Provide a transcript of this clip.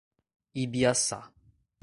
Ibiaçá